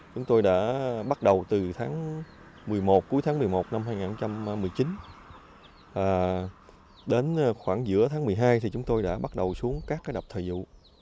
chúng tôi đã bắt đầu từ cuối tháng một mươi một năm hai nghìn một mươi chín đến khoảng giữa tháng một mươi hai thì chúng tôi đã bắt đầu xuống các cái đập thời dụ